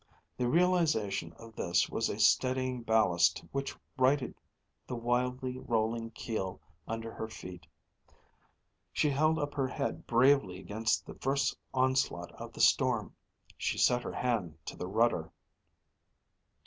The realization of this was a steadying ballast which righted the wildly rolling keel under her feet. She held up her head bravely against the first onslaught of the storm. She set her hand to the rudder!